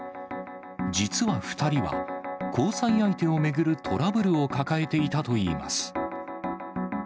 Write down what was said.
実は２人は、交際相手を巡るトラブルを抱えていたといいます。